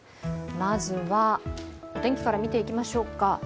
まずは、お天気から見ていきましょうか。